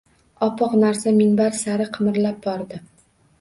Oppoq narsa minbar sari qimirlab bordi.